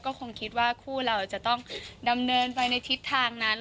ก็คงคิดว่าคู่เราจะต้องดำเนินไปในทิศทางนั้น